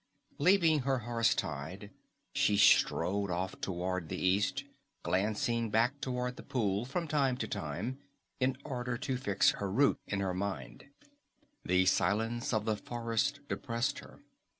Leaving her horse tied she strode off toward the east, glancing back toward the pool from time to time in order to fix her route in her mind. The silence of the forest depressed her.